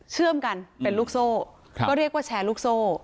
เชื่อมกันเป็นลูกโซ่ก็เรียกว่าแชร์ลูกโซ่